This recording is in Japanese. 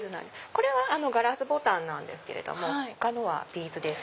これはガラスボタンなんですけど他のはビーズです。